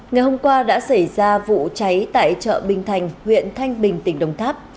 ngày hôm qua đã xảy ra vụ cháy tại chợ bình thành huyện thanh bình tỉnh đồng tháp